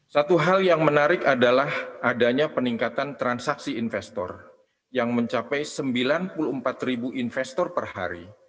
satu hal yang menarik adalah adanya peningkatan transaksi investor yang mencapai sembilan puluh empat ribu investor per hari